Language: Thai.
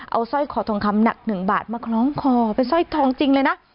เอาสร้อยคอทองคำหนัก๑บาทมาคล้องคอเป็นสร้อยทองจริงเลยนะ